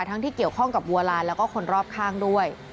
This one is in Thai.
ที่เกี่ยวข้องกับบัวลานแล้วก็คนรอบข้างด้วย